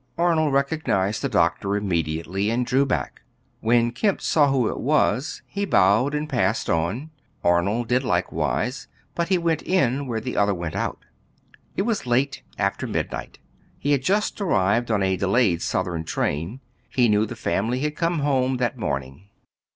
Arnold recognized the doctor immediately and drew back. When Kemp saw who it was, he bowed and passed on. Arnold did likewise, but he went in where the other went out. It was late, after midnight. He had just arrived on a delayed southern train. He knew the family had come home that morning.